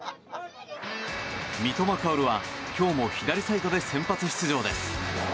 三笘薫は今日も左サイドで先発出場です。